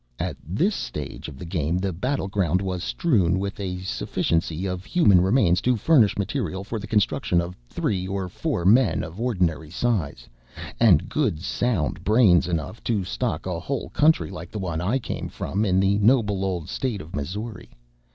At this stage of the game the battle ground was strewn with a sufficiency of human remains to furnish material for the construction of three or four men of ordinary size, and good sound brains enough to stock a whole county like the one I came from in the noble old state of Missouri.